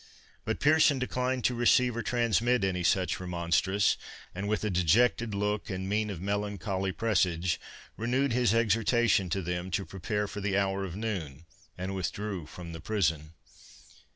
But Pearson declined to receive or transmit any such remonstrance, and with a dejected look and mien of melancholy presage, renewed his exhortation to them to prepare for the hour of noon, and withdrew from the prison.